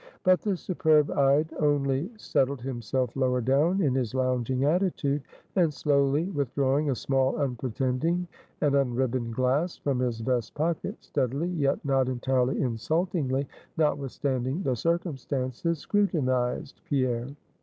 But the superb eyed only settled himself lower down in his lounging attitude, and slowly withdrawing a small, unpretending, and unribboned glass from his vest pocket, steadily, yet not entirely insultingly, notwithstanding the circumstances, scrutinized Pierre.